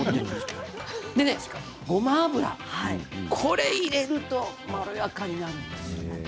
それと、ごま油これを入れるとまろやかになるんですよ。